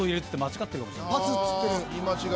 「ぱつ」っつってる。